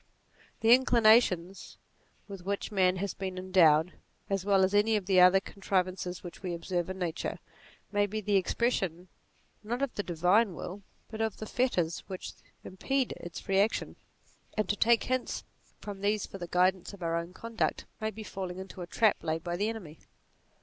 The inclinations with which man has been endowed, as well as any of the other con trivances which we observe in Nature, may be the expression not of the divine will, but of the fetters which impede its free action ; and to take hints from 56 NATURE these for the guidance of our own conduct may be falling into a trap laid by the enemy.